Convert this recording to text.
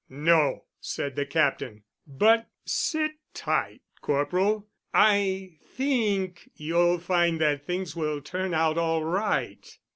"No," said the Captain, "but sit tight, Corporal. I think you'll find that things will turn out all right."